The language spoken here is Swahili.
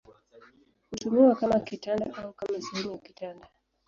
Hutumiwa kama kitanda au kama sehemu ya kitanda.